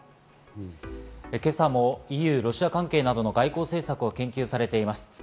今朝もＥＵ、ロシア関係などの外交政策を研究されています